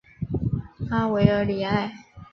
拉韦尔里埃。